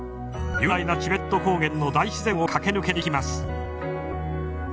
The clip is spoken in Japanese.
雄大なチベット高原の大自然を駆け抜けていきます。